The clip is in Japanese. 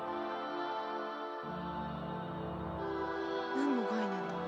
何の概念だろう？